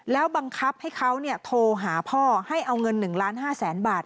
แล้วบังคับให้เขาโทรหาพ่อให้เอาเงิน๑ล้าน๕แสนบาท